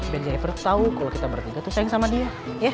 biar jennifer tau kalau kita bertiga tuh sayang sama dia